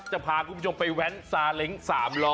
จะพาคุณผู้ชมไปแว้นซาเล้ง๓ล้อ